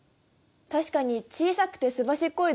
確かに小さくてすばしっこい